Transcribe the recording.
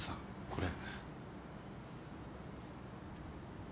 これ。